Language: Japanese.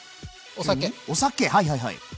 お酒はいはいはい。